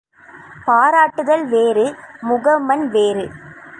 பாராட்டுதல் வேறு முகமன் வேறு.